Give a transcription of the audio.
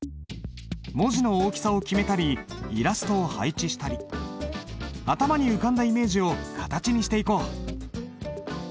文字の大きさを決めたりイラストを配置したり頭に浮かんだイメージを形にしていこう！